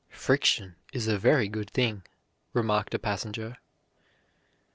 "Friction is a very good thing," remarked a passenger.